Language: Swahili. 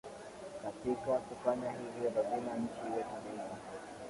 Katika kufanya hivyo lazima nchi iwe tulivu